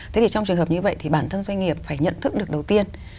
thế thì trong trường hợp như vậy thì bản thân doanh nghiệp phải nhận thức được đầu tiên